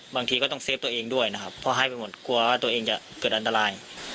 บางทีก็ต้องเฟฟตัวเองด้วยนะครับเพราะให้ไปหมดกลัวว่าตัวเองจะเกิดอันตราย